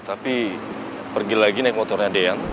tapi pergi lagi naik motornya dean